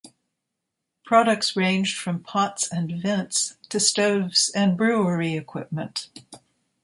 Products ranged from pots and vents to stoves and brewery equipment.